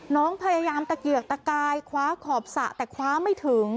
น้องพยายามตะเกียกตะกายคว้าขอบสระแต่คว้าไม่ถึง